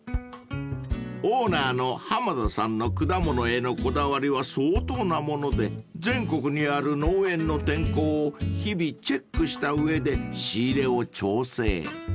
［オーナーの濱田さんの果物へのこだわりは相当なもので全国にある農園の天候を日々チェックした上で仕入れを調整］